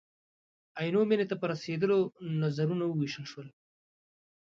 عینو مېنې ته په رسېدلو نظرونه ووېشل شول.